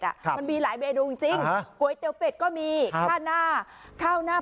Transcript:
ครับมันมีหลายเมนูจริงจริงอ่าก๋วยเตี๋ยวเป็ดก็มีครับข้าวหน้า